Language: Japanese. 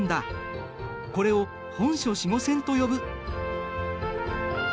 これを本初子午線と呼ぶ。